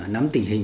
nắm tình hình